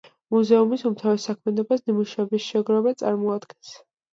მუზეუმის უმთავრეს საქმიანობას ნიმუშების შეგროვება წარმოადგენს.